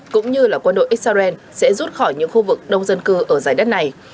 cũng như là quân đội israel sẽ rút khỏi những khu vực đông dân cư ở dài đất này